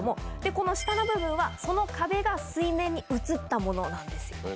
この下の部分はその壁が水面に映ったものなんですよ。